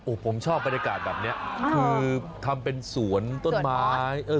ผมชอบบรรยากาศแบบนี้คือทำเป็นสวนต้นไม้